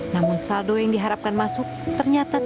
namun saldo yang diharapkan masuk ternyata tidak